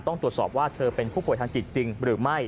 ต้องตรวจสอบว่าเธอเป็นผู้ป่วยทางจิตจริงหรือไม่